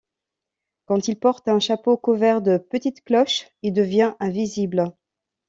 Quand il porte un chapeau couvert de petites cloches, il devient invisible.